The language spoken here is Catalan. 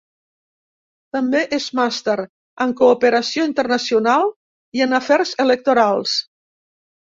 També és màster en cooperació internacional i en afers electorals.